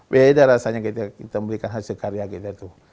beda rasanya kita memberikan hasil karya kita tuh